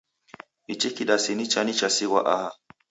Ichi kidasi ni chani chasighwa aha?